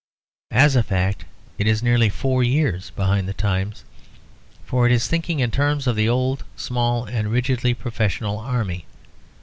As a fact it is nearly four years behind the times, for it is thinking in terms of the old small and rigidly professional army.